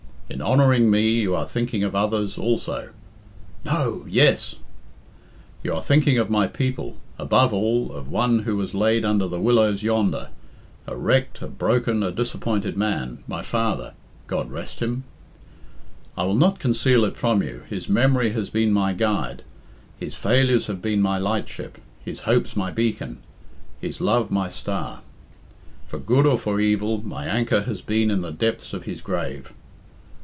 In honouring me you are thinking of others also ['No,' 'Yes'); you are thinking of my people above all, of one who was laid under the willows yonder, a wrecked, a broken, a disappointed man my father, God rest him! I will not conceal it from you his memory has been my guide, his failures have been my lightship, his hopes my beacon, his love my star. For good or for evil, my anchor has been in the depths of his grave.